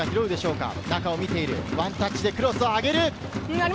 ワンタッチでクロスを上げる。